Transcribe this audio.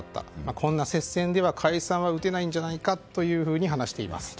こんな接戦では解散は打てないんじゃないかと話しています。